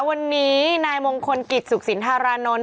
วันนี้นายมงคลกิจสุขสินธารานนท์